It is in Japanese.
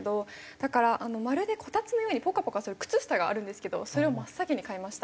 だからまるでこたつのようにポカポカする靴下があるんですけどそれを真っ先に買いました。